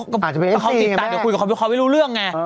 ก็อาจจะเป็นเอสจีนแหละแหละถ้าเขาติดตามเดี๋ยวคุยกับเขาไม่รู้เรื่องไง